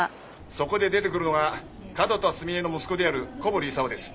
そこで出てくるのが角田澄江の息子である小堀功です。